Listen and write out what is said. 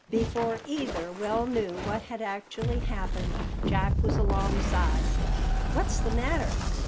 Before either well knew what had actually happened, Jack was alongside. "What's the matter?